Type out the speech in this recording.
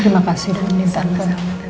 terima kasih udah dateng di tante